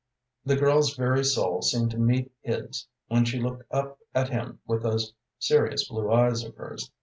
The girl's very soul seemed to meet his when she looked up at him with those serious blue eyes of hers.